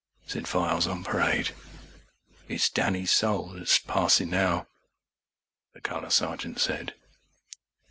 â said Files on Parade. âIt's Danny's soul that's passin' nowâ, the Colour Sergeant said.